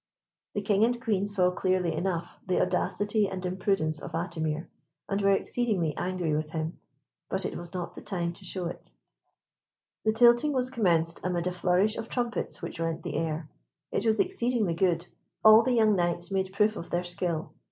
The King and Queen saw clearly enough the audacity and imprudence of Atimir, and were exceedingly angry with him; but it was not the time to show it. The tilting was commenced amidst a flourish of trumpets which rent the air. It was exceedingly good. All the young knights made proof of their skill.